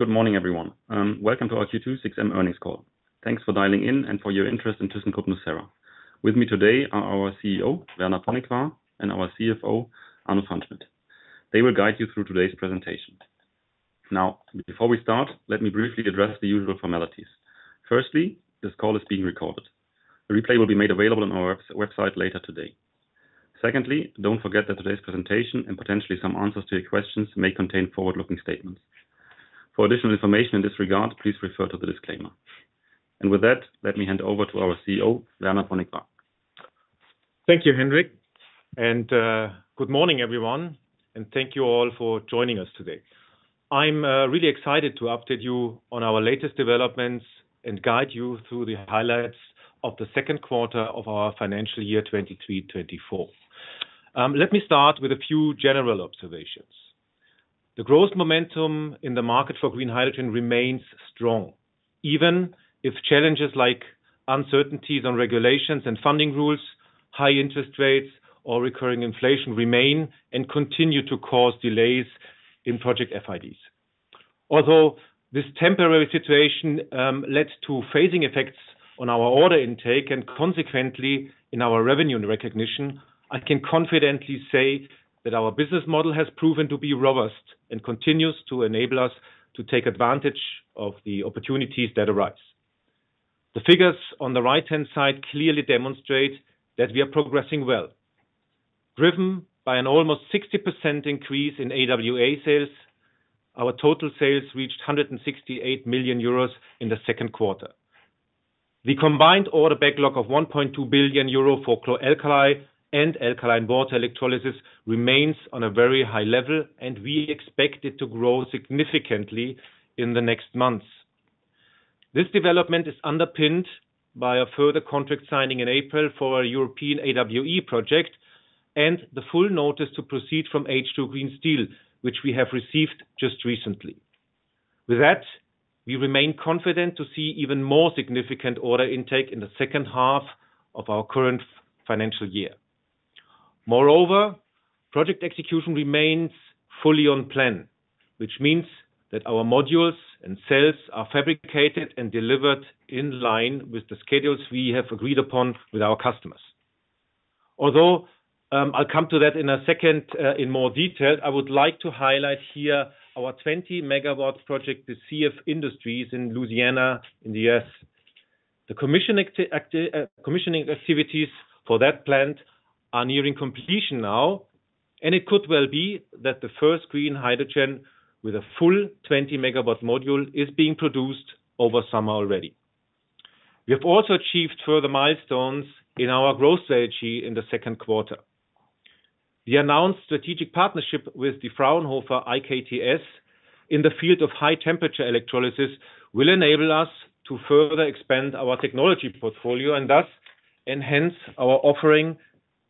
Good morning, everyone. Welcome to our Q2 6M earnings call. Thanks for dialing in and for your interest in thyssenkrupp nucera. With me today are our CEO, Werner Ponikwar, and our CFO, Arno Pfannschmidt. They will guide you through today's presentation. Now, before we start, let me briefly address the usual formalities. Firstly, this call is being recorded. A replay will be made available on our website later today. Secondly, don't forget that today's presentation and potentially some answers to your questions may contain forward-looking statements. For additional information in this regard, please refer to the disclaimer. With that, let me hand over to our CEO, Werner Ponikwar. Thank you, Hendrik. And good morning, everyone, and thank you all for joining us today. I'm really excited to update you on our latest developments and guide you through the highlights of the second quarter of our financial year 2023/24. Let me start with a few general observations. The growth momentum in the market for green hydrogen remains strong, even if challenges like uncertainties on regulations and funding rules, high interest rates, or recurring inflation remain and continue to cause delays in project FIDs. Although this temporary situation led to phasing effects on our order intake and consequently in our revenue recognition, I can confidently say that our business model has proven to be robust and continues to enable us to take advantage of the opportunities that arise. The figures on the right-hand side clearly demonstrate that we are progressing well. Driven by an almost 60% increase in AWE sales, our total sales reached 168 million euros in the second quarter. The combined order backlog of 1.2 billion euro for chlor-alkali and alkaline water electrolysis remains on a very high level, and we expect it to grow significantly in the next months. This development is underpinned by a further contract signing in April for a European AWE project and the full notice to proceed from H2 Green Steel, which we have received just recently. With that, we remain confident to see even more significant order intake in the second half of our current financial year. Moreover, project execution remains fully on plan, which means that our modules and cells are fabricated and delivered in line with the schedules we have agreed upon with our customers. Although, I'll come to that in a second, in more detail, I would like to highlight here our 20-megawatt project, the CF Industries in Louisiana in the U.S. The commissioning activities for that plant are nearing completion now, and it could well be that the first green hydrogen with a full 20-megawatt module is being produced over summer already. We have also achieved further milestones in our growth strategy in the second quarter. The announced strategic partnership with the Fraunhofer IKTS in the field of high-temperature electrolysis will enable us to further expand our technology portfolio and thus enhance our offering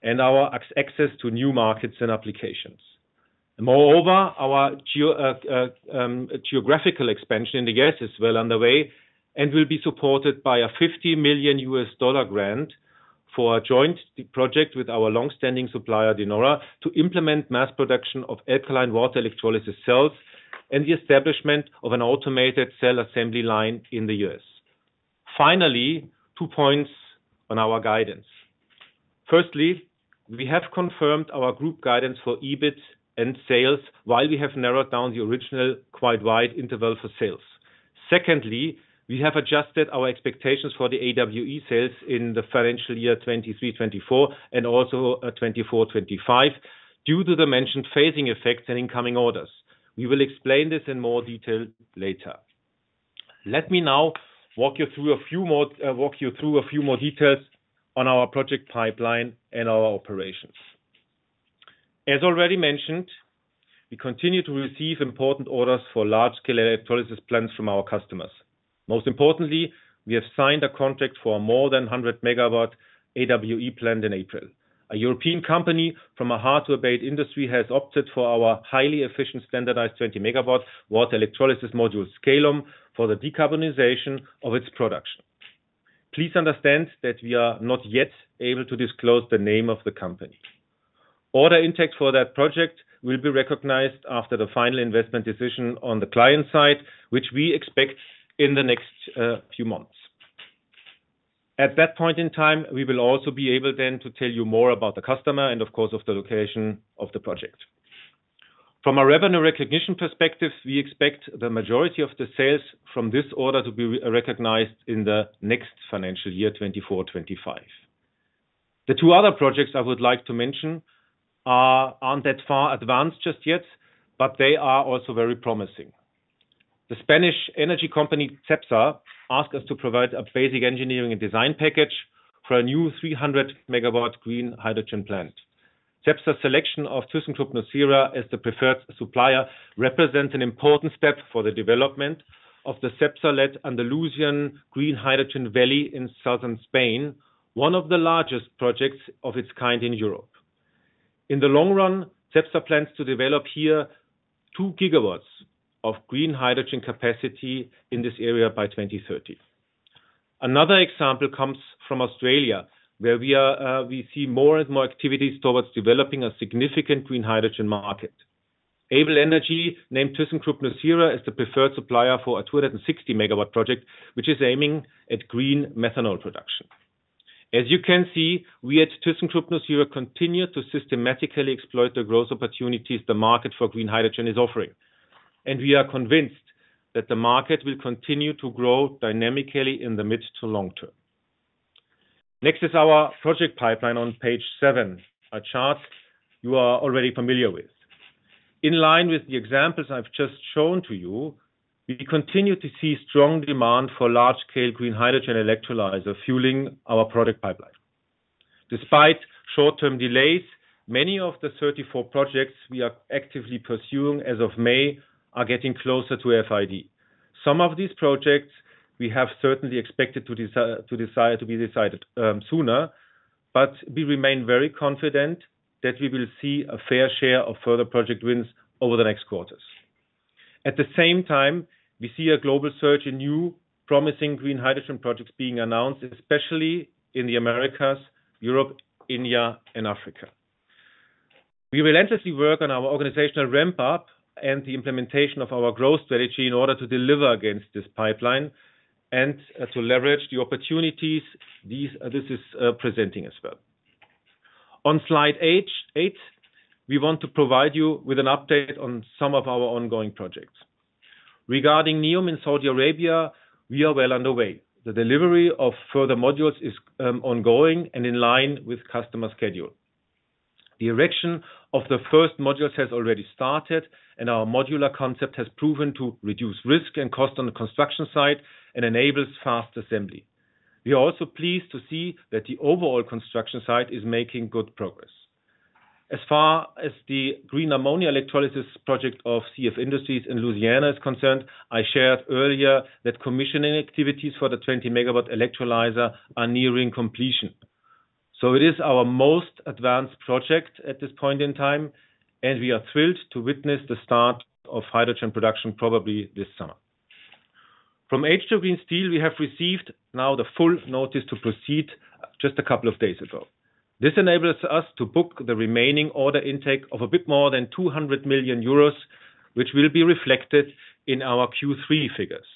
and our access to new markets and applications. Moreover, our geographical expansion in the U.S. is well underway and will be supported by a $50 million grant for a joint project with our longstanding supplier, De Nora, to implement mass production of alkaline water electrolysis cells and the establishment of an automated cell assembly line in the U.S. Finally, two points on our guidance. Firstly, we have confirmed our group guidance for EBIT and sales while we have narrowed down the original quite wide interval for sales. Secondly, we have adjusted our expectations for the AWE sales in the financial year 2023/2024 and also, 2024/2025 due to the mentioned phasing effects and incoming orders. We will explain this in more detail later. Let me now walk you through a few more details on our project pipeline and our operations. As already mentioned, we continue to receive important orders for large-scale electrolysis plants from our customers. Most importantly, we have signed a contract for a more than 100-megawatt AWE plant in April. A European company from a hard-to-abate industry has opted for our highly efficient standardized 20-megawatt water electrolysis module, Scalum, for the decarbonization of its production. Please understand that we are not yet able to disclose the name of the company. Order intake for that project will be recognized after the final investment decision on the client side, which we expect in the next few months. At that point in time, we will also be able then to tell you more about the customer and, of course, of the location of the project. From a revenue recognition perspective, we expect the majority of the sales from this order to be re-recognized in the next financial year, 2024/25. The two other projects I would like to mention aren't that far advanced just yet, but they are also very promising. The Spanish energy company, Cepsa, asked us to provide a basic engineering and design package for a new 300 MW green hydrogen plant. Cepsa's selection of thyssenkrupp nucera as the preferred supplier represents an important step for the development of the Cepsa-led Andalusian Green Hydrogen Valley in southern Spain, one of the largest projects of its kind in Europe. In the long run, Cepsa plans to develop here 2 GW of green hydrogen capacity in this area by 2030. Another example comes from Australia, where we see more and more activities towards developing a significant green hydrogen market. ABEL Energy named thyssenkrupp nucera as the preferred supplier for a 260 MW project, which is aiming at green methanol production. As you can see, we at thyssenkrupp nucera continue to systematically exploit the growth opportunities the market for green hydrogen is offering, and we are convinced that the market will continue to grow dynamically in the mid to long term. Next is our project pipeline on page 7, a chart you are already familiar with. In line with the examples I've just shown to you, we continue to see strong demand for large-scale green hydrogen electrolyzer fueling our product pipeline. Despite short-term delays, many of the 34 projects we are actively pursuing as of May are getting closer to FID. Some of these projects we have certainly expected to be decided sooner, but we remain very confident that we will see a fair share of further project wins over the next quarters. At the same time, we see a global surge in new promising green hydrogen projects being announced, especially in the Americas, Europe, India, and Africa. We relentlessly work on our organizational ramp-up and the implementation of our growth strategy in order to deliver against this pipeline and to leverage the opportunities these presenting as well. On slide 8, we want to provide you with an update on some of our ongoing projects. Regarding NEOM in Saudi Arabia, we are well underway. The delivery of further modules is ongoing and in line with customer schedule. The erection of the first modules has already started, and our modular concept has proven to reduce risk and cost on the construction site and enables fast assembly. We are also pleased to see that the overall construction site is making good progress. As far as the green ammonia electrolysis project of CF Industries in Louisiana is concerned, I shared earlier that commissioning activities for the 20 MW electrolyzer are nearing completion. So it is our most advanced project at this point in time, and we are thrilled to witness the start of hydrogen production probably this summer. From H2 Green Steel, we have received now the full notice to proceed just a couple of days ago. This enables us to book the remaining order intake of a bit more than 200 million euros, which will be reflected in our Q3 figures.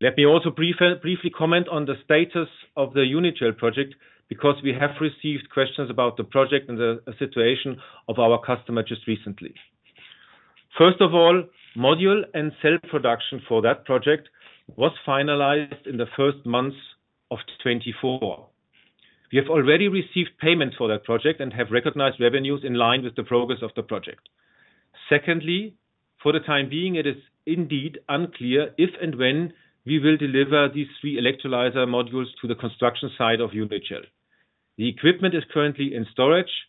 Let me also preface briefly comment on the status of the Unigel project because we have received questions about the project and the situation of our customer just recently. First of all, module and cell production for that project was finalized in the first months of 2024. We have already received payments for that project and have recognized revenues in line with the progress of the project. Secondly, for the time being, it is indeed unclear if and when we will deliver these three electrolyzer modules to the construction site of Unigel. The equipment is currently in storage,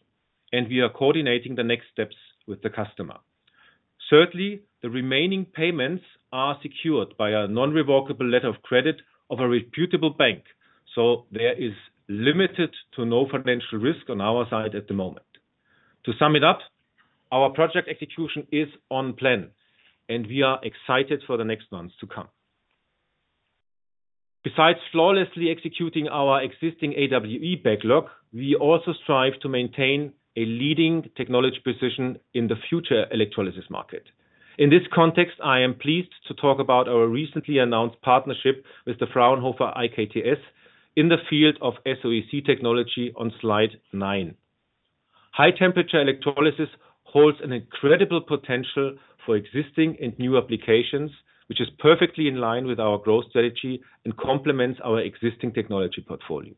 and we are coordinating the next steps with the customer. Thirdly, the remaining payments are secured by an irrevocable letter of credit of a reputable bank, so there is limited to no financial risk on our side at the moment. To sum it up, our project execution is on plan, and we are excited for the next months to come. Besides flawlessly executing our existing AWE backlog, we also strive to maintain a leading technology position in the future electrolysis market. In this context, I am pleased to talk about our recently announced partnership with the Fraunhofer IKTS in the field of SOEC technology on slide 9. High-temperature electrolysis holds an incredible potential for existing and new applications, which is perfectly in line with our growth strategy and complements our existing technology portfolio.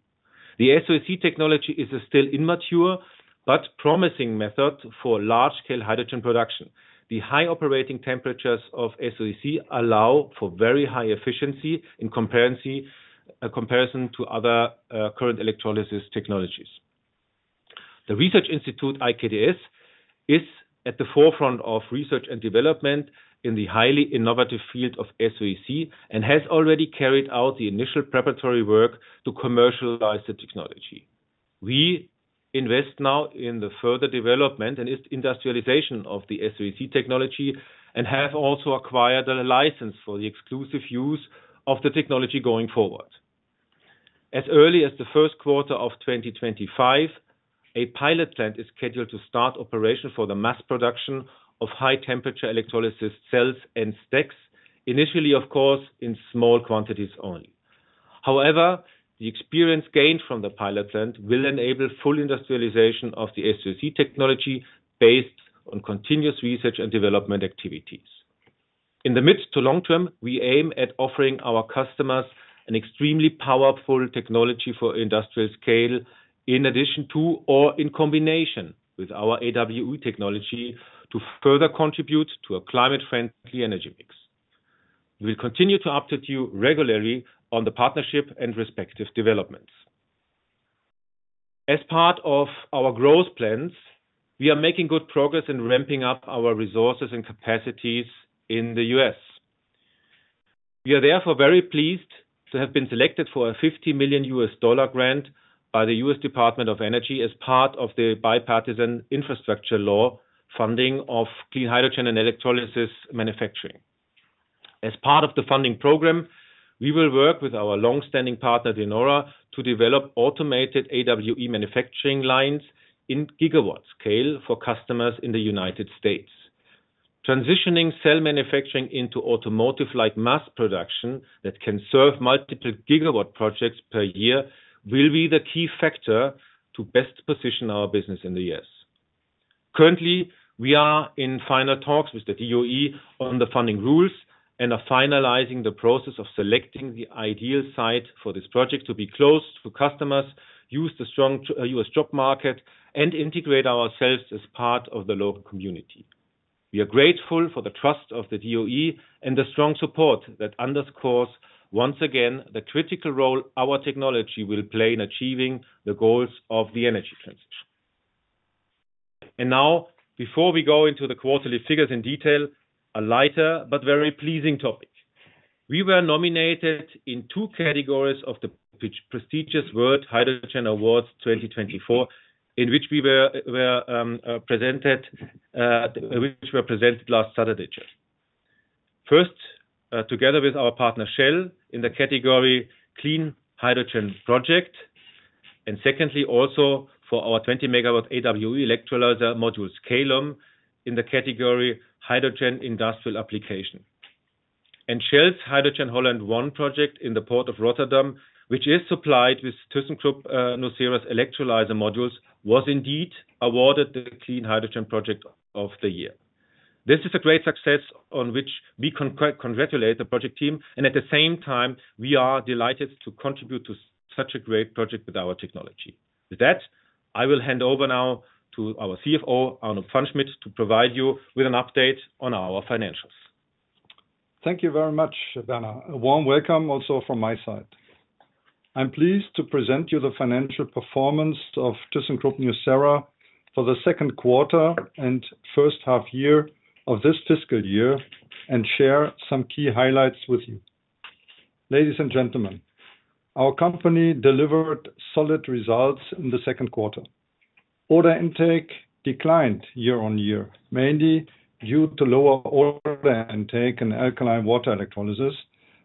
The SOEC technology is a still immature but promising method for large-scale hydrogen production. The high operating temperatures of SOEC allow for very high efficiency in comparison to other, current electrolysis technologies. The research institute, IKTS, is at the forefront of research and development in the highly innovative field of SOEC and has already carried out the initial preparatory work to commercialize the technology. We invest now in the further development and industrialization of the SoEC technology and have also acquired a license for the exclusive use of the technology going forward. As early as the first quarter of 2025, a pilot plant is scheduled to start operation for the mass production of high-temperature electrolysis cells and stacks, initially, of course, in small quantities only. However, the experience gained from the pilot plant will enable full industrialization of the SoEC technology based on continuous research and development activities. In the mid to long term, we aim at offering our customers an extremely powerful technology for industrial scale in addition to or in combination with our AWE technology to further contribute to a climate-friendly energy mix. We will continue to update you regularly on the partnership and respective developments. As part of our growth plans, we are making good progress in ramping up our resources and capacities in the US. We are therefore very pleased to have been selected for a $50 million grant by the U.S. Department of Energy as part of the Bipartisan Infrastructure Law funding of clean hydrogen and electrolysis manufacturing. As part of the funding program, we will work with our longstanding partner, De Nora, to develop automated AWE manufacturing lines in gigawatt scale for customers in the United States. Transitioning cell manufacturing into automotive-like mass production that can serve multiple gigawatt projects per year will be the key factor to best position our business in the U.S. Currently, we are in final talks with the DOE on the funding rules and are finalizing the process of selecting the ideal site for this project to be close to customers, use the strong U.S. job market, and integrate ourselves as part of the local community. We are grateful for the trust of the DOE and the strong support that underscores, once again, the critical role our technology will play in achieving the goals of the energy transition. And now, before we go into the quarterly figures in detail, a lighter but very pleasing topic. We were nominated in two categories of the prestigious World Hydrogen Awards 2024, in which we were presented, which were presented last Saturday. First, together with our partner, Shell, in the category Clean Holland Hydrogen I, and secondly also for our 20-megawatt AWE electrolyzer module, Scalum, in the category Hydrogen Industrial Application. And Shell's Hydrogen Holland One project in the Port of Rotterdam, which is supplied with thyssenkrupp nucera's electrolyzer modules, was indeed awarded the Clean Hydrogen Project of the Year. This is a great success on which we congratulate the project team, and at the same time, we are delighted to contribute to such a great project with our technology. With that, I will hand over now to our CFO, Arno Pfannschmidt, to provide you with an update on our financials. Thank you very much, Werner. A warm welcome also from my side. I'm pleased to present you the financial performance of thyssenkrupp nucera for the second quarter and first half year of this fiscal year and share some key highlights with you. Ladies and gentlemen, our company delivered solid results in the second quarter. Order intake declined year-on-year, mainly due to lower order intake and alkaline water electrolysis,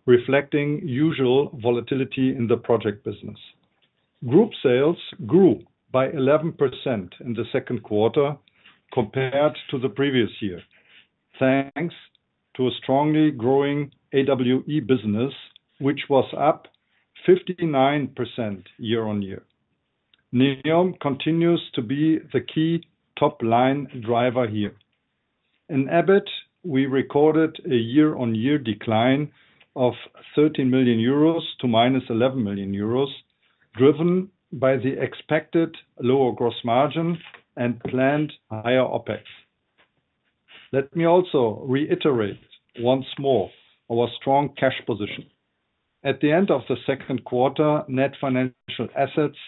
reflecting usual volatility in the project business. Group sales grew by 11% in the second quarter compared to the previous year, thanks to a strongly growing AWE business, which was up 59% year-on-year. NEOM continues to be the key top-line driver here. In EBITDA, we recorded a year-on-year decline of 13 million euros to -11 million euros, driven by the expected lower gross margin and planned higher OpEx. Let me also reiterate once more our strong cash position. At the end of the second quarter, net financial assets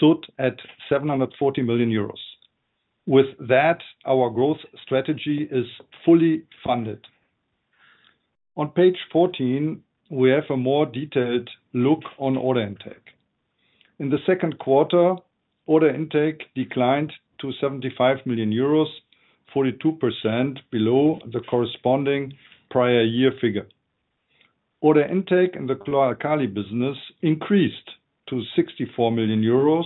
stood at 740 million euros. With that, our growth strategy is fully funded. On page 14, we have a more detailed look on order intake. In the second quarter, order intake declined to 75 million euros, 42% below the corresponding prior year figure. Order intake in the chlor-alkali business increased to 64 million euros,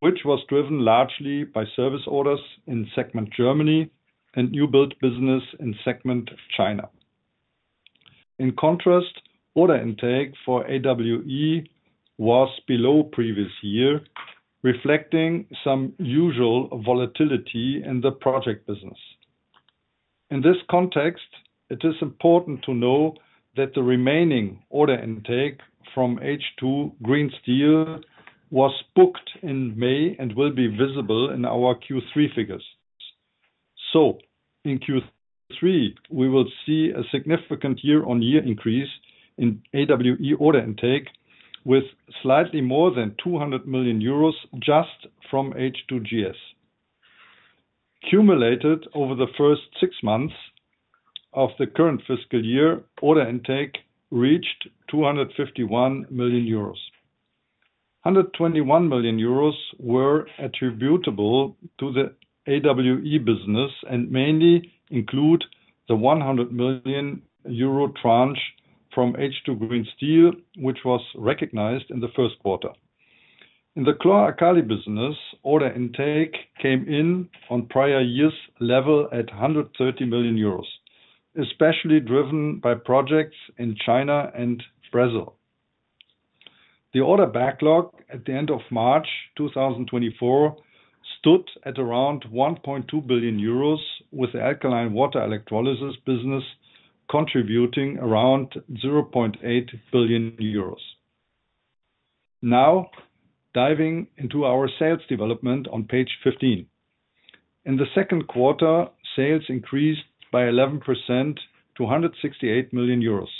which was driven largely by service orders in segment Germany and new build business in segment China. In contrast, order intake for AWE was below previous year, reflecting some usual volatility in the project business. In this context, it is important to know that the remaining order intake from H2 Green Steel was booked in May and will be visible in our Q3 figures. So in Q3, we will see a significant year-on-year increase in AWE order intake with slightly more than 200 million euros just from H2GS. Cumulated over the first six months of the current fiscal year, order intake reached 251 million euros. 121 million euros were attributable to the AWE business and mainly include the 100 million euro tranche from H2 Green Steel, which was recognized in the first quarter. In the chlor-alkali business, order intake came in on prior year's level at 130 million euros, especially driven by projects in China and Brazil. The order backlog at the end of March 2024 stood at around 1.2 billion euros, with the alkaline water electrolysis business contributing around 0.8 billion euros. Now, diving into our sales development on page 15. In the second quarter, sales increased by 11% to 168 million euros.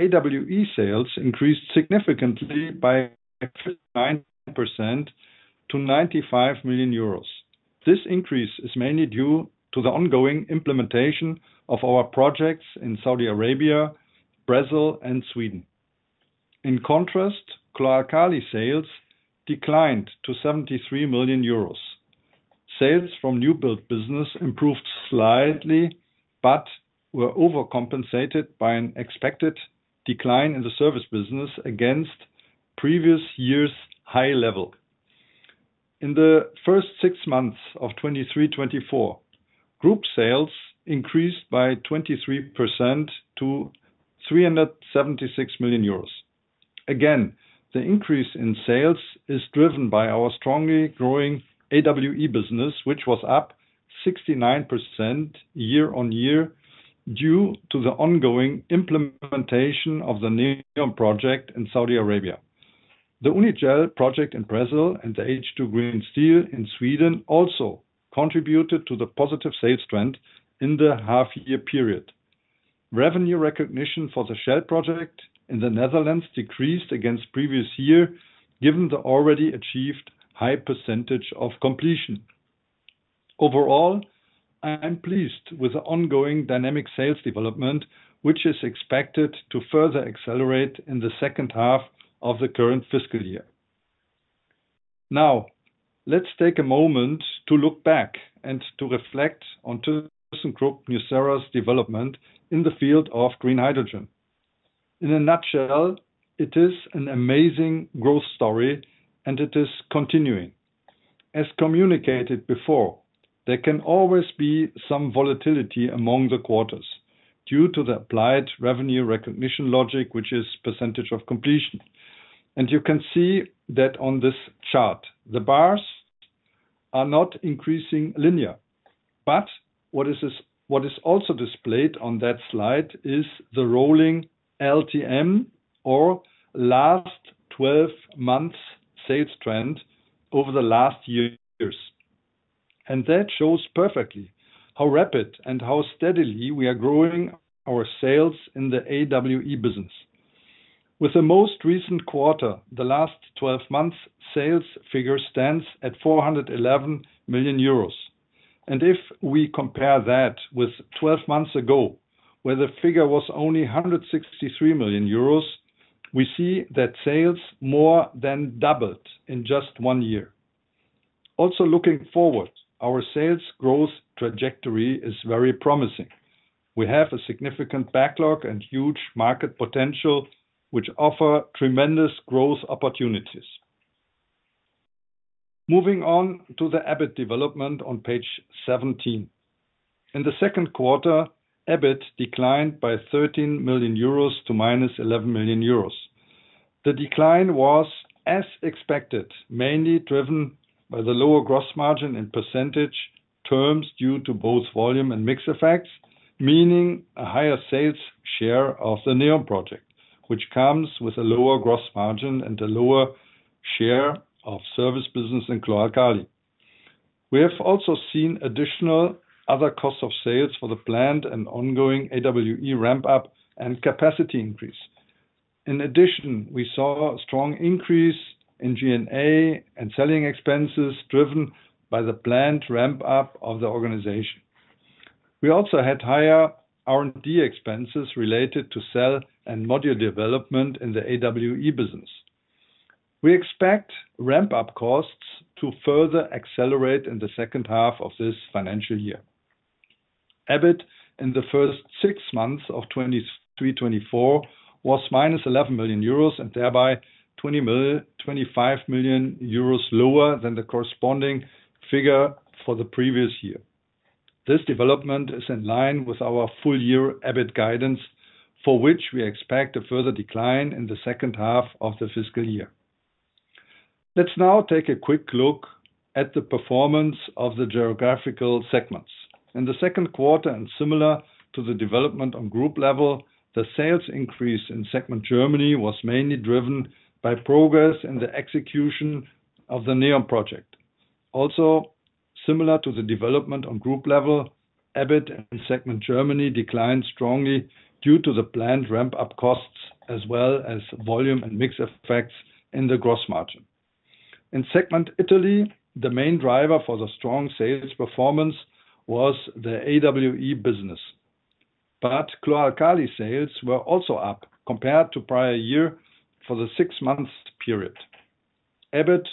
AWE sales increased significantly by 59% to 95 million euros. This increase is mainly due to the ongoing implementation of our projects in Saudi Arabia, Brazil, and Sweden. In contrast, chlor-alkali sales declined to 73 million euros. Sales from new build business improved slightly but were overcompensated by an expected decline in the service business against previous year's high level. In the first six months of 2023-2024, group sales increased by 23% to 376 million euros. Again, the increase in sales is driven by our strongly growing AWE business, which was up 69% year on year due to the ongoing implementation of the NEOM project in Saudi Arabia. The Unigel project in Brazil and the H2 Green Steel in Sweden also contributed to the positive sales trend in the half-year period. Revenue recognition for the Shell project in the Netherlands decreased against previous year given the already achieved high percentage of completion. Overall, I'm pleased with the ongoing dynamic sales development, which is expected to further accelerate in the second half of the current fiscal year. Now, let's take a moment to look back and to reflect on thyssenkrupp nucera's development in the field of green hydrogen. In a nutshell, it is an amazing growth story, and it is continuing. As communicated before, there can always be some volatility among the quarters due to the applied revenue recognition logic, which is percentage of completion. You can see that on this chart, the bars are not increasing linear. What is also displayed on that slide is the rolling LTM or last 12 months sales trend over the last years. That shows perfectly how rapid and how steadily we are growing our sales in the AWE business. With the most recent quarter, the last 12 months sales figure stands at 411 million euros. If we compare that with 12 months ago, where the figure was only 163 million euros, we see that sales more than doubled in just one year. Also looking forward, our sales growth trajectory is very promising. We have a significant backlog and huge market potential, which offer tremendous growth opportunities. Moving on to the EBIT development on page 17. In the second quarter, EBIT declined by 13 million euros to -11 million euros. The decline was, as expected, mainly driven by the lower gross margin in percentage terms due to both volume and mix effects, meaning a higher sales share of the NEOM project, which comes with a lower gross margin and a lower share of service business and chlor-alkali. We have also seen additional other costs of sales for the planned and ongoing AWE ramp-up and capacity increase. In addition, we saw a strong increase in G&A and selling expenses driven by the planned ramp-up of the organization. We also had higher R&D expenses related to Scalum module development in the AWE business. We expect ramp-up costs to further accelerate in the second half of this financial year. EBIT in the first six months of 2023-2024 was -11 million euros and thereby 20 million-25 million euros lower than the corresponding figure for the previous year. This development is in line with our full-year EBIT guidance, for which we expect a further decline in the second half of the fiscal year. Let's now take a quick look at the performance of the geographical segments. In the second quarter, and similar to the development on group level, the sales increase in segment Germany was mainly driven by progress in the execution of the NEOM project. Also, similar to the development on group level, EBIT in segment Germany declined strongly due to the planned ramp-up costs as well as volume and mix effects in the gross margin. In segment Italy, the main driver for the strong sales performance was the AWE business. But chlor-alkali sales were also up compared to prior year for the six-month period. EBIT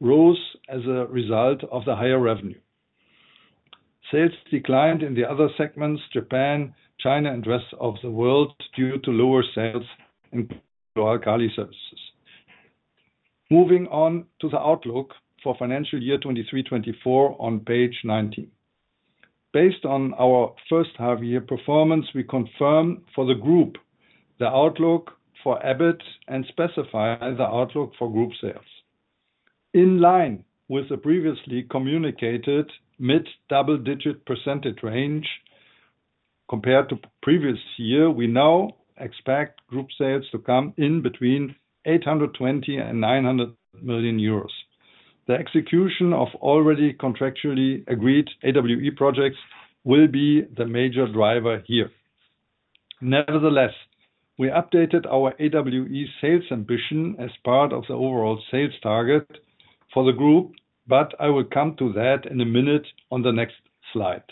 rose as a result of the higher revenue. Sales declined in the other segments, Japan, China, and rest of the world due to lower sales in chlor-alkali services. Moving on to the outlook for financial year 2023-2024 on page 19. Based on our first-half-year performance, we confirm for the group the outlook for EBIT and specify the outlook for group sales. In line with the previously communicated mid-double-digit % range compared to previous year, we now expect group sales to come in between 820 million and 900 million euros. The execution of already contractually agreed AWE projects will be the major driver here. Nevertheless, we updated our AWE sales ambition as part of the overall sales target for the group, but I will come to that in a minute on the next slide.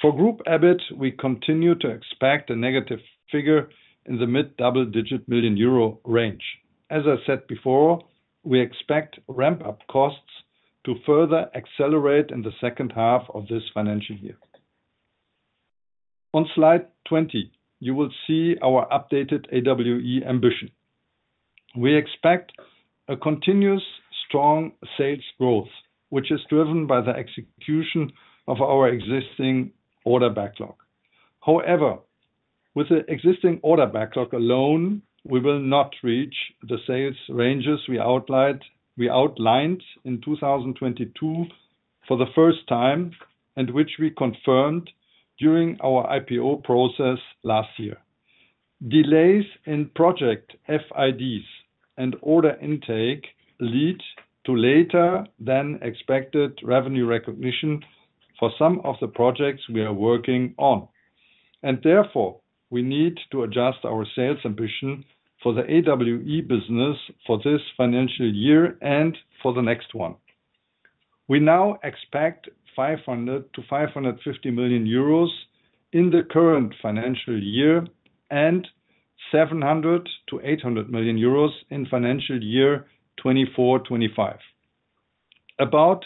For group EBIT, we continue to expect a negative figure in the mid-double-digit million EUR range. As I said before, we expect ramp-up costs to further accelerate in the second half of this financial year. On slide 20, you will see our updated AWE ambition. We expect a continuous strong sales growth, which is driven by the execution of our existing order backlog. However, with the existing order backlog alone, we will not reach the sales ranges we outlined in 2022 for the first time and which we confirmed during our IPO process last year. Delays in project FIDs and order intake lead to later-than-expected revenue recognition for some of the projects we are working on. Therefore, we need to adjust our sales ambition for the AWE business for this financial year and for the next one. We now expect 500 million-550 million euros in the current financial year and 700 million-800 million euros in financial year 2024-2025. About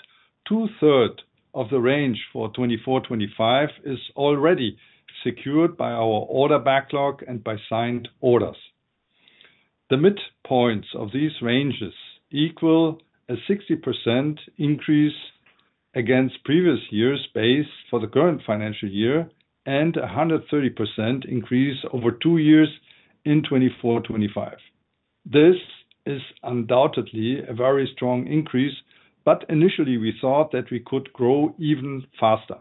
two-thirds of the range for 2024-2025 is already secured by our order backlog and by signed orders. The midpoints of these ranges equal a 60% increase against previous year's base for the current financial year and a 130% increase over two years in 2024-2025. This is undoubtedly a very strong increase, but initially we thought that we could grow even faster.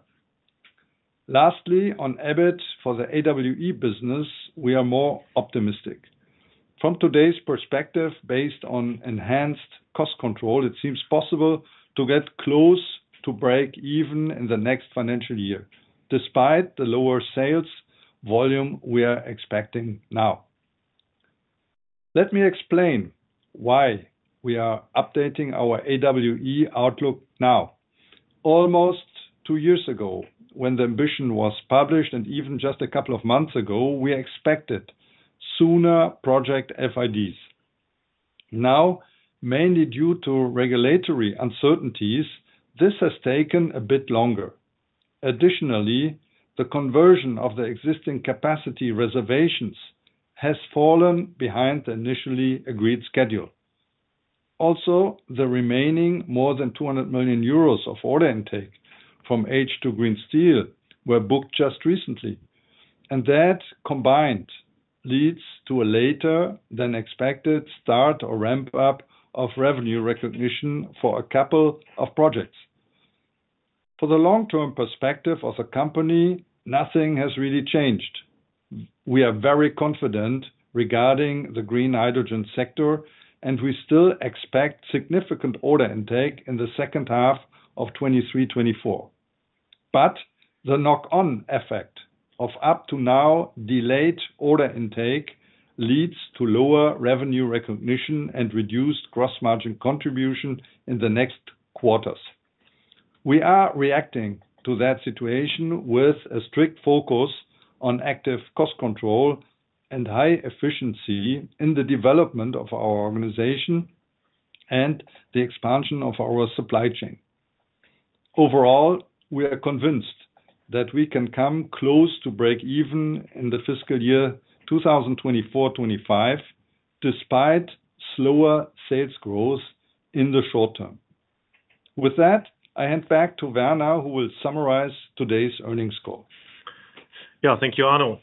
Lastly, on EBIT for the AWE business, we are more optimistic. From today's perspective, based on enhanced cost control, it seems possible to get close to break-even in the next financial year despite the lower sales volume we are expecting now. Let me explain why we are updating our AWE outlook now. Almost two years ago, when the ambition was published and even just a couple of months ago, we expected sooner project FIDs. Now, mainly due to regulatory uncertainties, this has taken a bit longer. Additionally, the conversion of the existing capacity reservations has fallen behind the initially agreed schedule. Also, the remaining more than 200 million euros of order intake from H2 Green Steel were booked just recently. That combined leads to a later-than-expected start or ramp-up of revenue recognition for a couple of projects. For the long-term perspective of the company, nothing has really changed. We are very confident regarding the green hydrogen sector, and we still expect significant order intake in the second half of 2023-2024. But the knock-on effect of up-to-now delayed order intake leads to lower revenue recognition and reduced gross margin contribution in the next quarters. We are reacting to that situation with a strict focus on active cost control and high efficiency in the development of our organization and the expansion of our supply chain. Overall, we are convinced that we can come close to break-even in the fiscal year 2024-2025 despite slower sales growth in the short term. With that, I hand back to Werner, who will summarize today's earnings call. Yeah, thank you, Arno.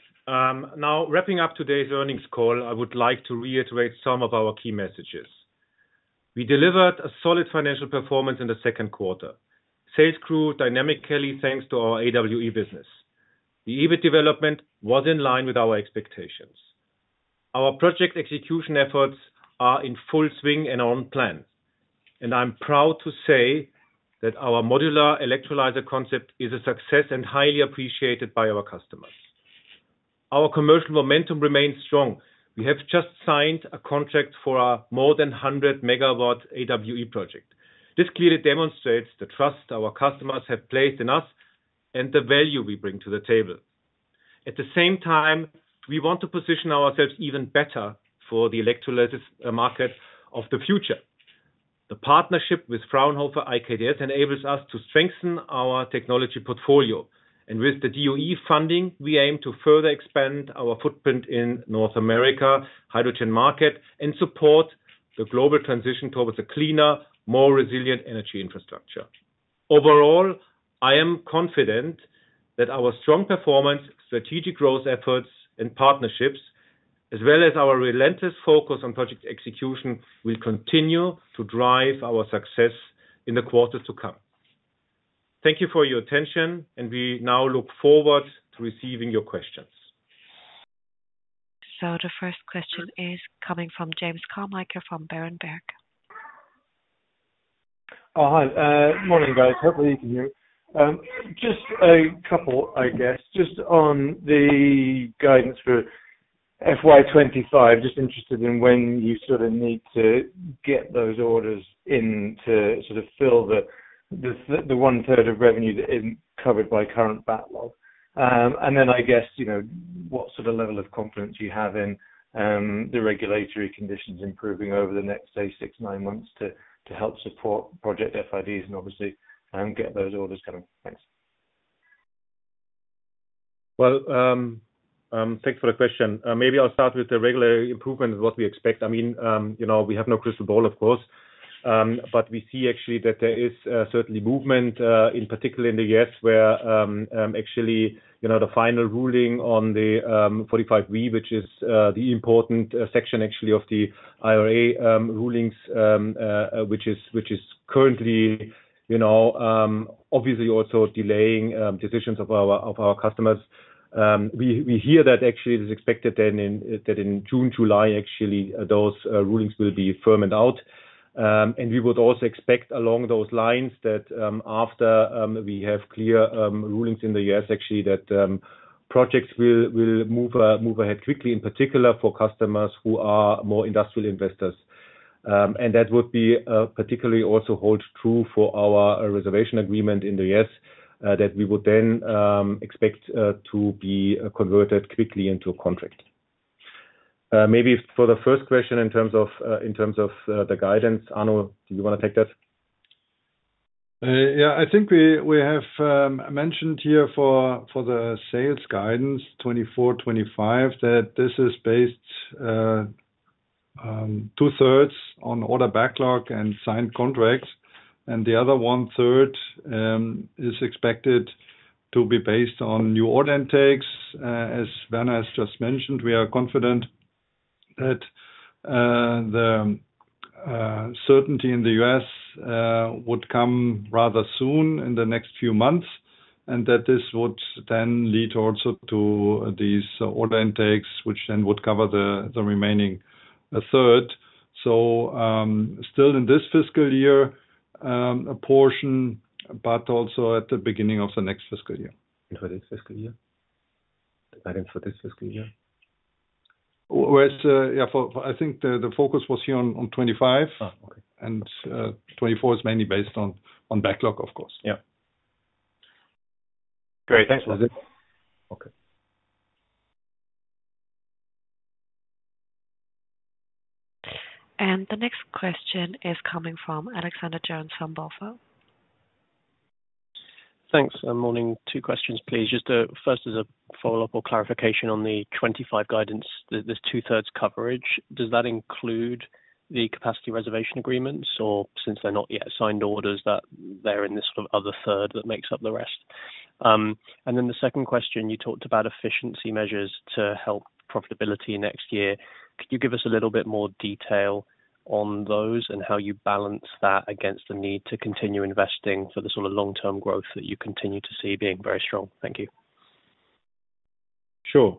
Now, wrapping up today's earnings call, I would like to reiterate some of our key messages. We delivered a solid financial performance in the second quarter. Sales grew dynamically thanks to our AWE business. The EBIT development was in line with our expectations. Our project execution efforts are in full swing and on plan. And I'm proud to say that our modular electrolyzer concept is a success and highly appreciated by our customers. Our commercial momentum remains strong. We have just signed a contract for our more than 100 MW AWE project. This clearly demonstrates the trust our customers have placed in us and the value we bring to the table. At the same time, we want to position ourselves even better for the electrolyzer market of the future. The partnership with Fraunhofer IKTS enables us to strengthen our technology portfolio. With the DOE funding, we aim to further expand our footprint in North America's hydrogen market and support the global transition towards a cleaner, more resilient energy infrastructure. Overall, I am confident that our strong performance, strategic growth efforts, and partnerships, as well as our relentless focus on project execution, will continue to drive our success in the quarters to come. Thank you for your attention, and we now look forward to receiving your questions. The first question is coming from James Carmichael from Berenberg. Hi. Morning, guys. Hopefully, you can hear me. Just a couple, I guess. Just on the guidance for FY25, just interested in when you sort of need to get those orders in to sort of fill the one-third of revenue that isn't covered by current backlog. And then, I guess, what sort of level of confidence you have in the regulatory conditions improving over the next 6, 9 months to help support project FIDs and obviously get those orders coming. Thanks. Well, thanks for the question. Maybe I'll start with the regular improvements, what we expect. I mean, we have no crystal ball, of course. But we see actually that there is certainly movement, in particular in the U.S., where actually the final ruling on the 45(b), which is the important section actually of the IRA rulings, which is currently obviously also delaying decisions of our customers. We hear that actually it is expected that in June, July, actually those rulings will be firmed out. And we would also expect along those lines that after we have clear rulings in the U.S., actually that projects will move ahead quickly, in particular for customers who are more industrial investors. And that would be particularly also hold true for our reservation agreement in the U.S. that we would then expect to be converted quickly into a contract. Maybe for the first question in terms of the guidance, Arno, do you want to take that? Yeah, I think we have mentioned here for the sales guidance 2024-2025 that this is based two-thirds on Order Backlog and signed contracts. The other one-third is expected to be based on new order intakes. As Werner has just mentioned, we are confident that the certainty in the U.S. would come rather soon in the next few months and that this would then lead also to these order intakes, which then would cover the remaining third. Still in this fiscal year, a portion, but also at the beginning of the next fiscal year. For this fiscal year? The guidance for this fiscal year? Yeah, I think the focus was here on 2025. '24 is mainly based on backlog, of course. Yeah. Great. Thanks, Arno. Okay. The next question is coming from Alexander Jones from Bank of America. Thanks. Morning. 2 questions, please. Just first as a follow-up or clarification on the 2025 guidance, this two-thirds coverage, does that include the capacity reservation agreements? Or since they're not yet signed orders, that they're in this sort of other third that makes up the rest? And then the second question, you talked about efficiency measures to help profitability next year. Could you give us a little bit more detail on those and how you balance that against the need to continue investing for the sort of long-term growth that you continue to see being very strong? Thank you. Sure.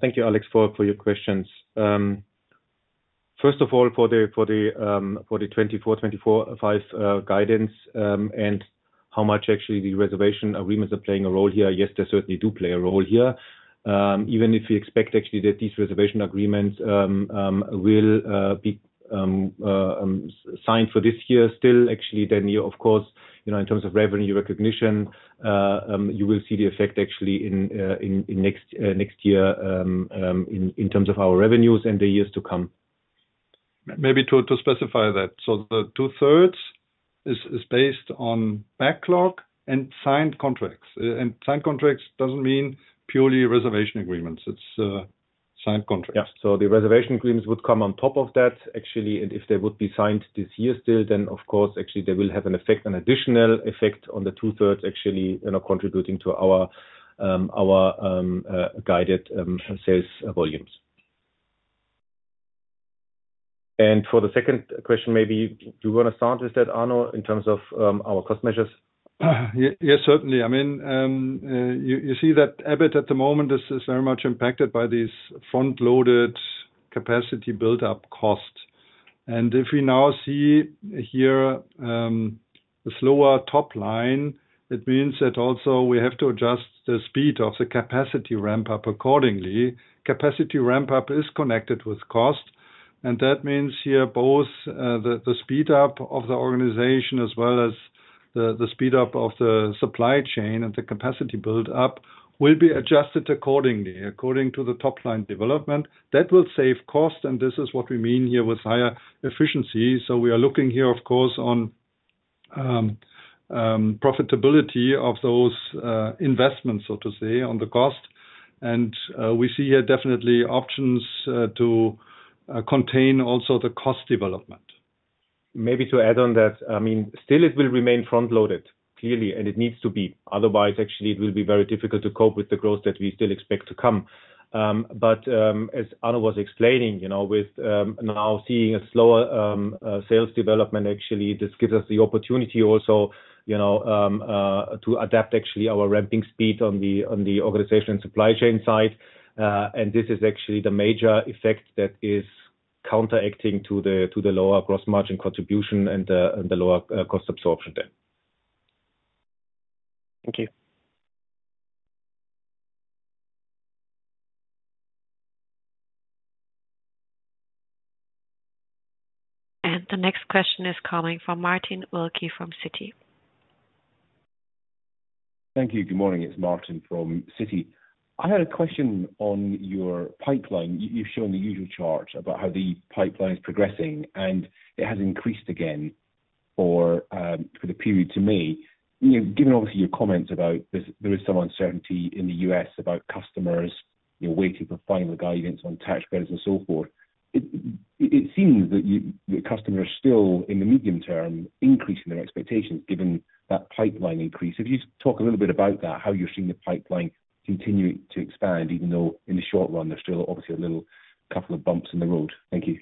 Thank you, Alex, for your questions. First of all, for the 2024-2025 guidance and how much actually the reservation agreements are playing a role here, yes, they certainly do play a role here. Even if we expect actually that these reservation agreements will be signed for this year still, actually this year, of course, in terms of revenue recognition, you will see the effect actually in next year in terms of our revenues and the years to come. Maybe to specify that. The two-thirds is based on backlog and signed contracts. Signed contracts doesn't mean purely reservation agreements. It's signed contracts. Yeah. So the reservation agreements would come on top of that, actually. And if they would be signed this year still, then of course, actually they will have an effect, an additional effect on the two-thirds actually contributing to our guided sales volumes. And for the second question, maybe do you want to start with that, Arno, in terms of our cost measures? Yes, certainly. I mean, you see that nucera at the moment is very much impacted by these front-loaded capacity buildup costs. And if we now see here a slower top line, it means that also we have to adjust the speed of the capacity ramp-up accordingly. Capacity ramp-up is connected with cost. And that means here both the speed-up of the organization as well as the speed-up of the supply chain and the capacity buildup will be adjusted accordingly, according to the top-line development. That will save cost. And this is what we mean here with higher efficiency. So we are looking here, of course, on profitability of those investments, so to say, on the cost. And we see here definitely options to contain also the cost development. Maybe to add on that, I mean, still it will remain front-loaded, clearly, and it needs to be. Otherwise, actually, it will be very difficult to cope with the growth that we still expect to come. But as Arno was explaining, with now seeing a slower sales development, actually, this gives us the opportunity also to adapt actually our ramping speed on the organization and supply chain side. And this is actually the major effect that is counteracting to the lower gross margin contribution and the lower cost absorption then. Thank you. The next question is coming from Martin Wilke from Citi. Thank you. Good morning. It's Martin from Citi. I had a question on your pipeline. You've shown the usual chart about how the pipeline is progressing, and it has increased again for the period to me. Given obviously your comments about there is some uncertainty in the U.S. about customers waiting for final guidance on tax credits and so forth, it seems that customers are still, in the medium term, increasing their expectations given that pipeline increase. If you talk a little bit about that, how you're seeing the pipeline continue to expand, even though in the short run, there's still obviously a little couple of bumps in the road. Thank you.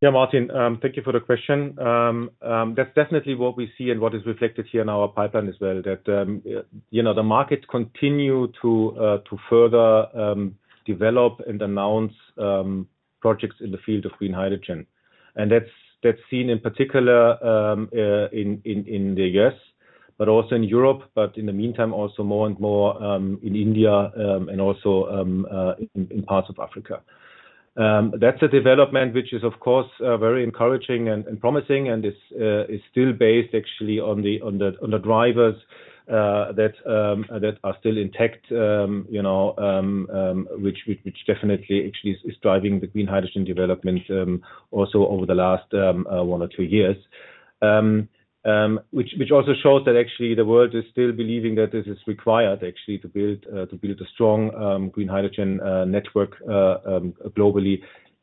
Yeah, Martin, thank you for the question. That's definitely what we see and what is reflected here in our pipeline as well, that the markets continue to further develop and announce projects in the field of green hydrogen. That's seen in particular in the U.S., but also in Europe, but in the meantime, also more and more in India and also in parts of Africa. That's a development which is, of course, very encouraging and promising and is still based actually on the drivers that are still intact, which definitely actually is driving the green hydrogen development also over the last one or two years, which also shows that actually the world is still believing that this is required actually to build a strong green hydrogen network globally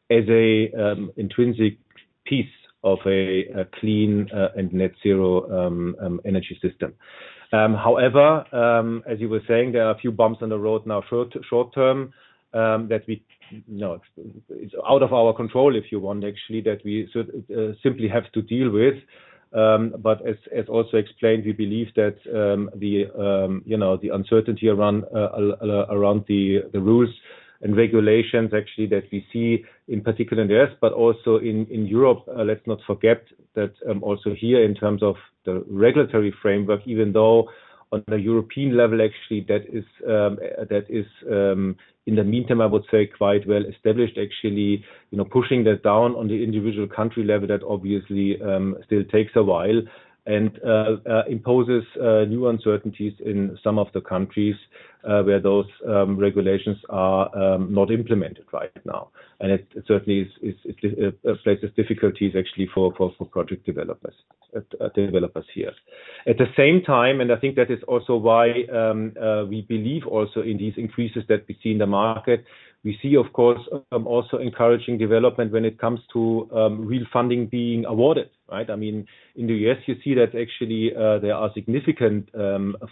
as an intrinsic piece of a clean and net-zero energy system. However, as you were saying, there are a few bumps on the road now short-term that we it's out of our control, if you want, actually, that we simply have to deal with. But as also explained, we believe that the uncertainty around the rules and regulations actually that we see, in particular in the U.S., but also in Europe, let's not forget that also here in terms of the regulatory framework, even though on the European level, actually, that is, in the meantime, I would say, quite well established, actually pushing that down on the individual country level, that obviously still takes a while and imposes new uncertainties in some of the countries where those regulations are not implemented right now. And it certainly places difficulties actually for project developers here. At the same time, and I think that is also why we believe also in these increases that we see in the market, we see, of course, also encouraging development when it comes to real funding being awarded, right? I mean, in the U.S., you see that actually there are significant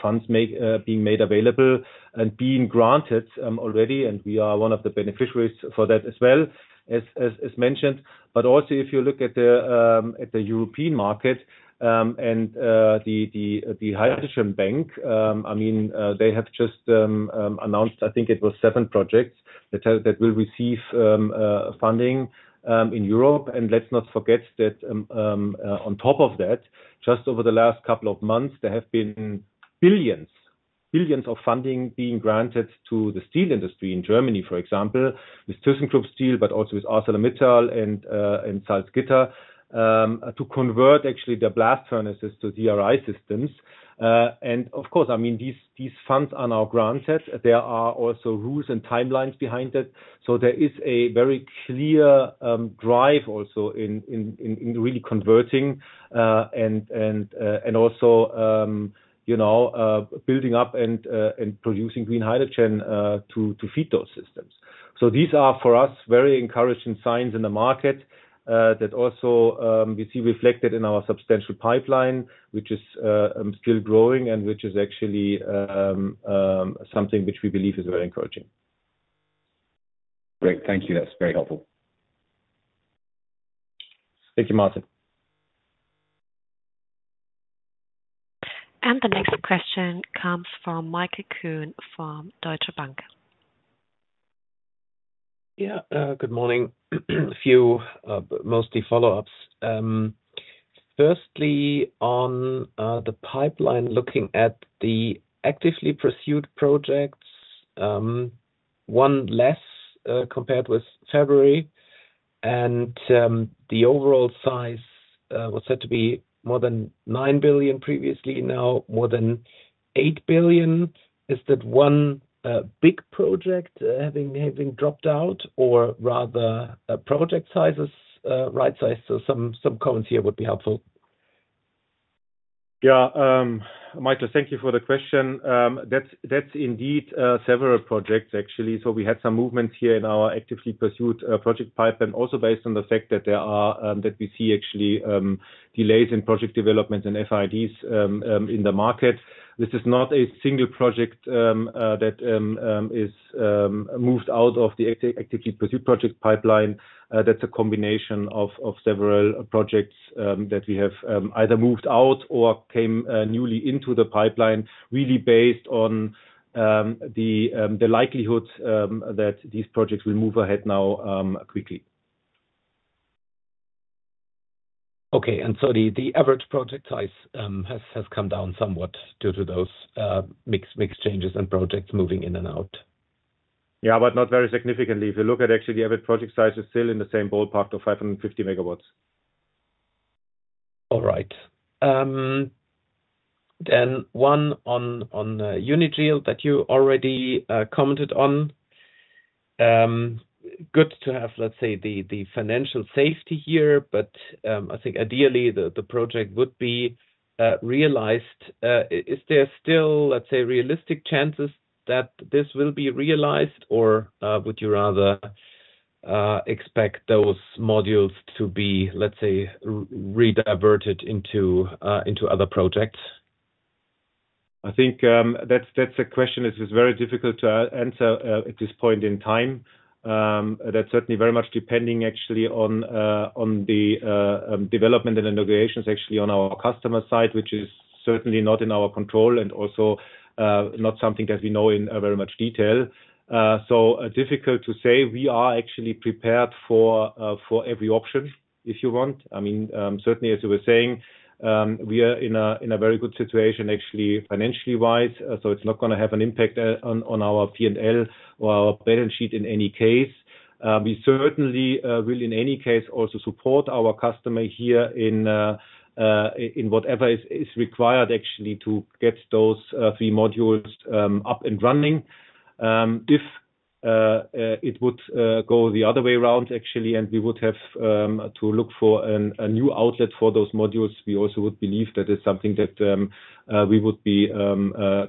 funds being made available and being granted already. And we are one of the beneficiaries for that as well, as mentioned. But also if you look at the European market and the Hydrogen Bank, I mean, they have just announced, I think it was seven projects that will receive funding in Europe. And let's not forget that on top of that, just over the last couple of months, there have been billions EUR of funding being granted to the steel industry in Germany, for example, with thyssenkrupp Steel, but also with ArcelorMittal and Salzgitter to convert actually their blast furnaces to DRI systems. And of course, I mean, these funds are now granted. There are also rules and timelines behind it. So there is a very clear drive also in really converting and also building up and producing green hydrogen to feed those systems. So these are for us very encouraging signs in the market that also we see reflected in our substantial pipeline, which is still growing and which is actually something which we believe is very encouraging. Great. Thank you. That's very helpful. Thank you, Martin. The next question comes from Michael Kuhn from Deutsche Bank. Yeah. Good morning. A few, mostly follow-ups. Firstly, on the pipeline, looking at the actively pursued projects, one less compared with February. The overall size was said to be more than 9 billion previously, now more than 8 billion. Is that one big project having dropped out or rather project sizes, right size? So some comments here would be helpful. Yeah, Michael, thank you for the question. That's indeed several projects, actually. So we had some movements here in our actively pursued project pipeline, also based on the fact that there are that we see actually delays in project developments and FIDs in the market. This is not a single project that is moved out of the actively pursued project pipeline. That's a combination of several projects that we have either moved out or came newly into the pipeline, really based on the likelihood that these projects will move ahead now quickly. Okay. The average project size has come down somewhat due to those mixed changes and projects moving in and out. Yeah, but not very significantly. If you look at actually the average project size, it's still in the same ballpark of 550 MW. All right. Then one on Unigel that you already commented on. Good to have, let's say, the financial safety here, but I think ideally the project would be realized. Is there still, let's say, realistic chances that this will be realized, or would you rather expect those modules to be, let's say, redirected into other projects? I think that's a question that is very difficult to answer at this point in time. That's certainly very much depending actually on the development and inaugurations actually on our customer side, which is certainly not in our control and also not something that we know in very much detail. So difficult to say. We are actually prepared for every option, if you want. I mean, certainly, as you were saying, we are in a very good situation actually financially-wise. So it's not going to have an impact on our P&L or our balance sheet in any case. We certainly will, in any case, also support our customer here in whatever is required actually to get those three modules up and running. If it would go the other way around, actually, and we would have to look for a new outlet for those modules, we also would believe that is something that we would be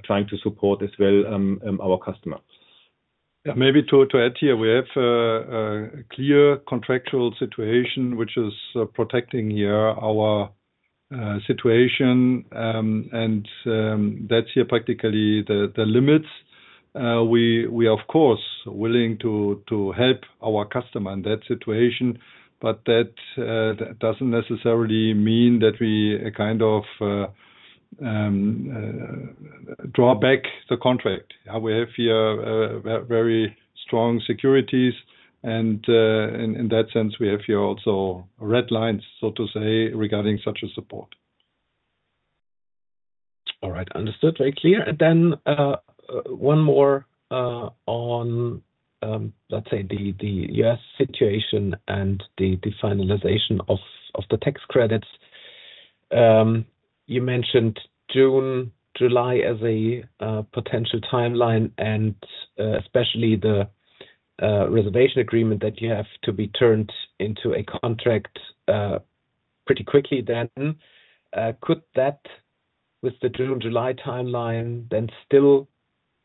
trying to support as well, our customer. Yeah. Maybe to add here, we have a clear contractual situation, which is protecting here our situation. And that's here practically the limits. We are, of course, willing to help our customer in that situation, but that doesn't necessarily mean that we kind of draw back the contract. We have here very strong securities. And in that sense, we have here also red lines, so to say, regarding such a support. All right. Understood. Very clear. And then one more on, let's say, the U.S. situation and the finalization of the tax credits. You mentioned June, July as a potential timeline, and especially the reservation agreement that you have to be turned into a contract pretty quickly then. Could that, with the June, July timeline, then still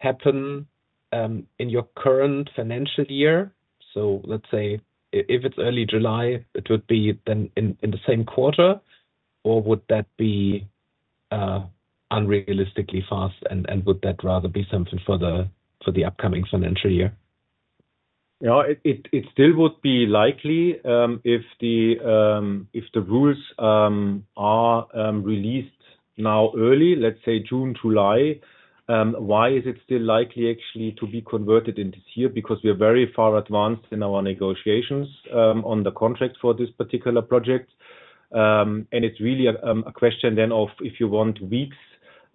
happen in your current financial year? So let's say if it's early July, it would be then in the same quarter, or would that be unrealistically fast, and would that rather be something for the upcoming financial year? Yeah, it still would be likely if the rules are released now early, let's say June, July. Why is it still likely actually to be converted in this year? Because we are very far advanced in our negotiations on the contract for this particular project. And it's really a question then of, if you want, weeks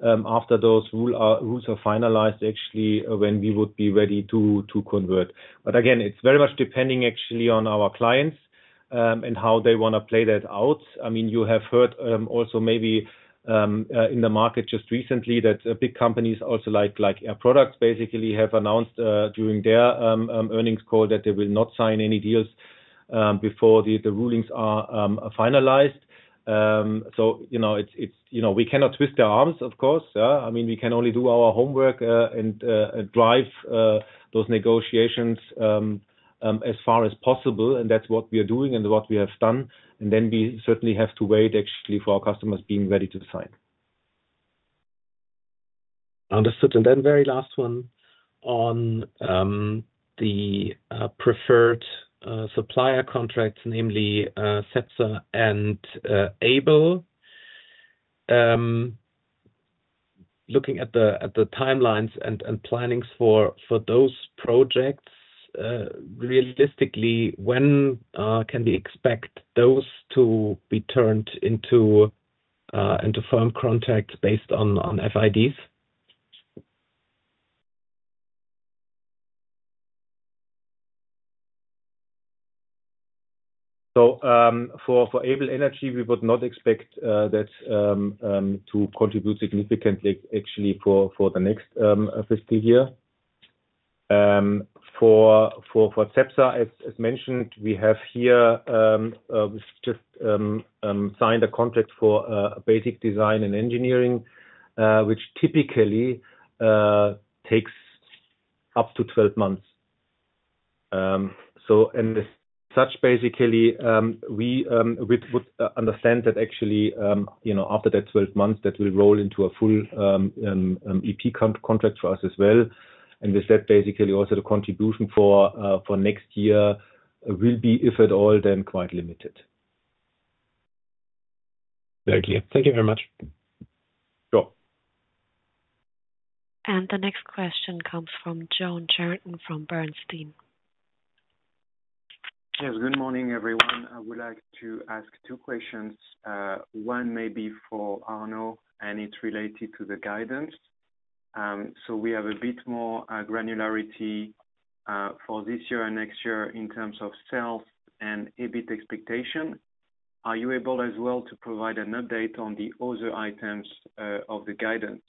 after those rules are finalized, actually, when we would be ready to convert. But again, it's very much depending actually on our clients and how they want to play that out. I mean, you have heard also maybe in the market just recently that big companies also like Air Products, basically, have announced during their earnings call that they will not sign any deals before the rulings are finalized. So it's we cannot twist their arms, of course. I mean, we can only do our homework and drive those negotiations as far as possible. And that's what we are doing and what we have done. And then we certainly have to wait actually for our customers being ready to sign. Understood. And then very last one on the preferred supplier contracts, namely Cepsa and ABEL. Looking at the timelines and plannings for those projects, realistically, when can we expect those to be turned into firm contracts based on FIDs? For ABEL Energy, we would not expect that to contribute significantly actually for the next fiscal year. For Cepsa, as mentioned, we have here just signed a contract for basic design and engineering, which typically takes up to 12 months. As such, basically, we would understand that actually after that 12 months, that will roll into a full EPC contract for us as well. With that, basically, also the contribution for next year will be, if at all, then quite limited. Very clear. Thank you very much. Sure. The next question comes from Yoann Charenton from Bernstein. Yes. Good morning, everyone. I would like to ask two questions. One may be for Arno, and it's related to the guidance. So we have a bit more granularity for this year and next year in terms of sales and EBIT expectation. Are you able as well to provide an update on the other items of the guidance?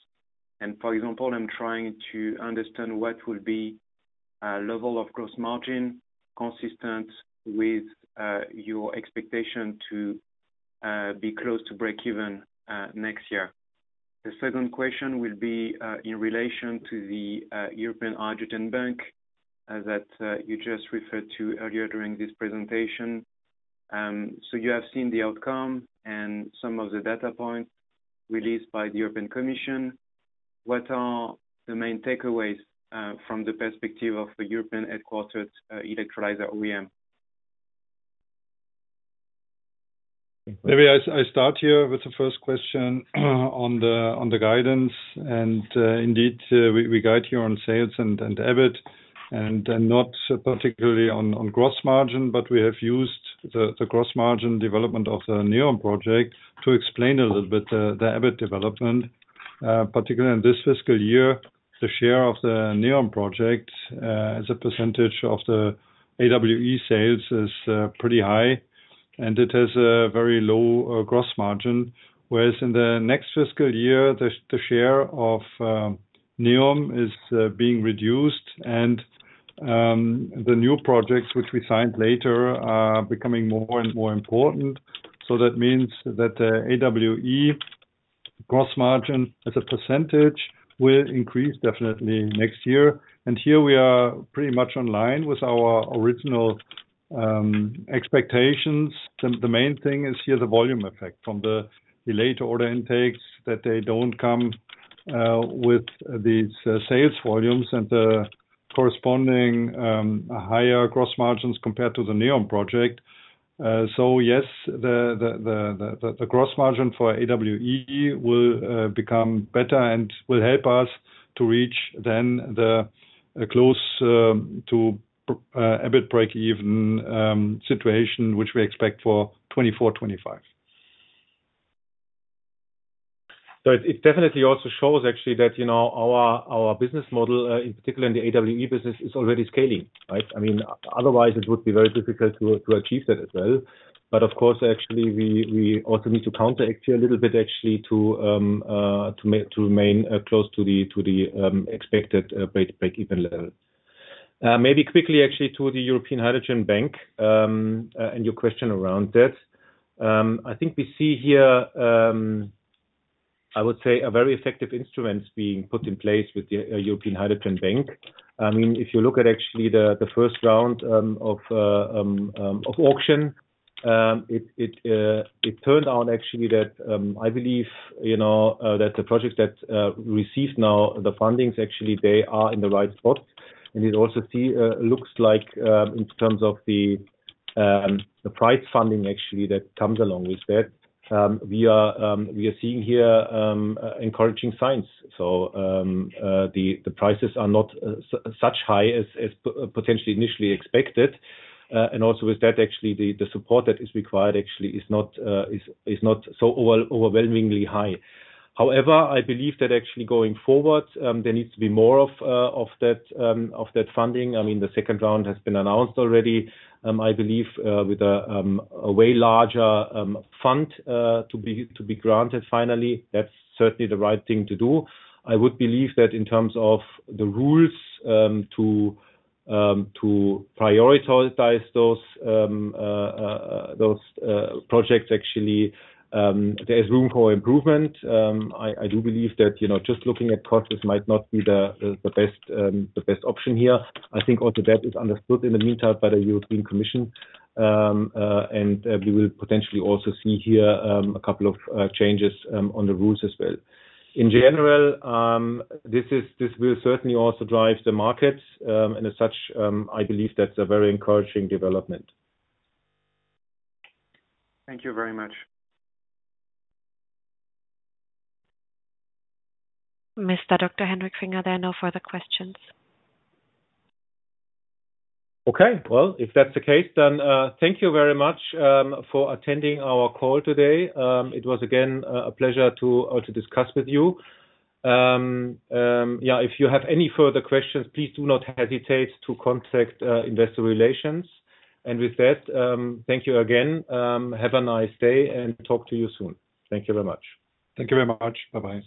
And for example, I'm trying to understand what would be a level of gross margin consistent with your expectation to be close to break-even next year. The second question will be in relation to the European Hydrogen Bank that you just referred to earlier during this presentation. So you have seen the outcome and some of the data points released by the European Commission. What are the main takeaways from the perspective of the European-headquartered electrolyzer OEM? Maybe I start here with the first question on the guidance. Indeed, we guide here on sales and EBIT and not particularly on gross margin, but we have used the gross margin development of the NEOM project to explain a little bit the EBIT development. Particularly in this fiscal year, the share of the NEOM project as a percentage of the AWE sales is pretty high, and it has a very low gross margin. Whereas in the next fiscal year, the share of NEOM is being reduced, and the new projects, which we signed later, are becoming more and more important. So that means that the AWE gross margin as a percentage will increase definitely next year. Here we are pretty much in line with our original expectations. The main thing is here the volume effect from the delayed order intakes that they don't come with these sales volumes and the corresponding higher gross margins compared to the NEOM project. So yes, the gross margin for AWE will become better and will help us to reach then the close to EBIT break-even situation, which we expect for 2024/2025. So it definitely also shows actually that our business model, in particular in the AWE business, is already scaling, right? I mean, otherwise, it would be very difficult to achieve that as well. But of course, actually, we also need to counteract here a little bit actually to remain close to the expected break-even level. Maybe quickly actually to the European Hydrogen Bank and your question around that. I think we see here, I would say, a very effective instrument being put in place with the European Hydrogen Bank. I mean, if you look at actually the first round of auction, it turned out actually that I believe that the project that received now the fundings, actually, they are in the right spot. And it also looks like in terms of the prize funding, actually, that comes along with that, we are seeing here encouraging signs. So the prices are not such high as potentially initially expected. And also with that, actually, the support that is required actually is not so overwhelmingly high. However, I believe that actually going forward, there needs to be more of that funding. I mean, the second round has been announced already, I believe, with a way larger fund to be granted finally. That's certainly the right thing to do. I would believe that in terms of the rules to prioritize those projects, actually, there is room for improvement. I do believe that just looking at costs might not be the best option here. I think also that is understood in the meantime by the European Commission. And we will potentially also see here a couple of changes on the rules as well. In general, this will certainly also drive the markets. As such, I believe that's a very encouraging development. Thank you very much. Mr. Dr. Hendrik Finger, there are no further questions. Okay. Well, if that's the case, then thank you very much for attending our call today. It was again a pleasure to also discuss with you. Yeah, if you have any further questions, please do not hesitate to contact investor relations. And with that, thank you again. Have a nice day, and talk to you soon. Thank you very much. Thank you very much. Bye-bye.